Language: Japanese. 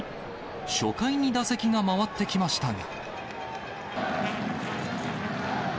初回に打席が回ってきましたが。